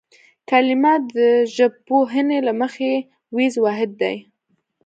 کلمه د ژبپوهنې له مخې وییز واحد دی